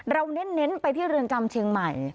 เน้นไปที่เรือนจำเชียงใหม่